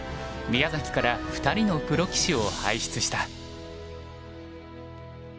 宮崎から２人のプロ棋士を輩出した。